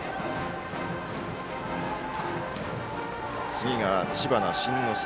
次が知花慎之助。